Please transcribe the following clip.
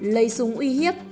lấy súng uy hiếp